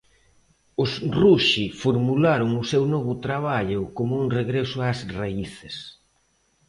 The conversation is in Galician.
Os Ruxe formularon o seu novo traballo como un regreso ás raíces.